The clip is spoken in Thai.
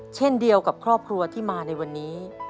เช่นเดียวกับครอบครัวที่มาในวันนี้